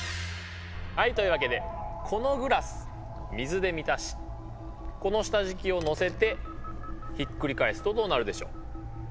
はいというわけでこのグラス水で満たしこの下じきをのせてひっくり返すとどうなるでしょう？